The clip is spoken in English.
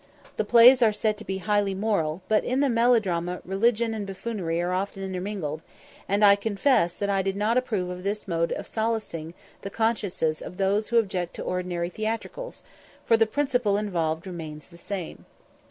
The plays are said to be highly moral, but in the melodrama religion and buffoonery are often intermingled; and I confess that I did not approve of this mode of solacing the consciences of those who object to ordinary theatricals, for the principle involved remains the same.